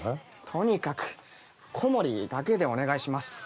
とにかく小森だけでお願いします。